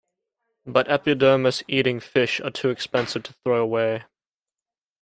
But epidermis-eating fish are too expensive to throw away.